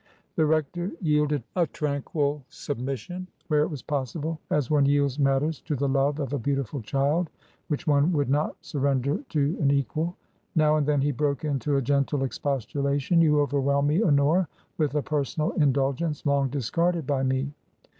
The rector yielded a tranquil submission where it was possible, as one yields matters to the love of a beautiful child which one would not sur render to an equal. Now and then he broke into a gentle expostulation. "You overwhelm me, Honora, with a personal in dulgence long discarded by me.